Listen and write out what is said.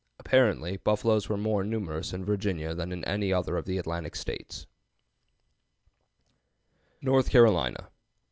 Apparently, buffaloes were more numerous in Virginia than in any other of the Atlantic States. NORTH CAROLINA.